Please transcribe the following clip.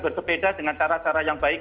bersepeda dengan cara cara yang baik